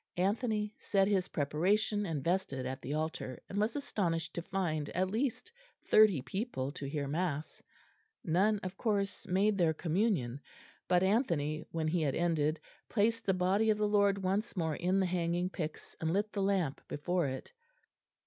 Anthony said his preparation and vested at the altar; and was astonished to find at least thirty people to hear mass: none, of course, made their communion, but Anthony, when he had ended, placed the Body of the Lord once more in the hanging pyx and lit the lamp before it.